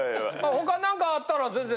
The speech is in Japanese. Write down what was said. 他何かあったら全然。